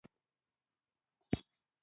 د چنګېزخان زوم افسانه نه ارزي.